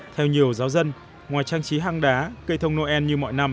theo nhiều giáo dân ngoài trang trí hang đá cây thông noel như mọi năm